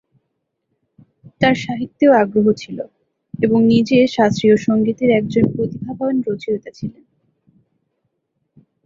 তাঁর সাহিত্যেও আগ্রহ ছিল এবং নিজে শাস্ত্রীয় সংগীতের একজন প্রতিভাবান রচয়িতা ছিলেন।